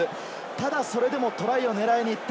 ただそれでもトライを狙いにいった。